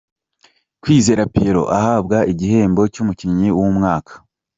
Kwizera Pierrot ahabwa igihembo cy'umukinnyi w'umwaka.